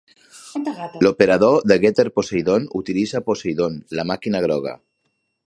L'operador de Getter Poseidon utilitza Poseidon, la màquina groga.